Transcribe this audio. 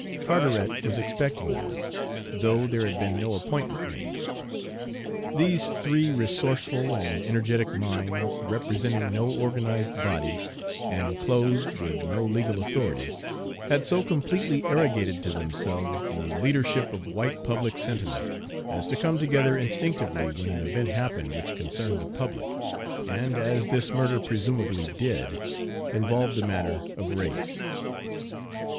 Carteret was expecting them, though there had been no appointment made. These three resourceful and energetic minds, representing no organized body, and clothed with no legal authority, had so completely arrogated to themselves the leadership of white public sentiment as to come together instinctively when an event happened which concerned the public, and, as this murder presumably did, involved the matter of race.